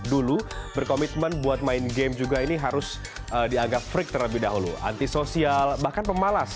dulu berkomitmen buat main game juga ini harus dianggap frik terlebih dahulu antisosial bahkan pemalas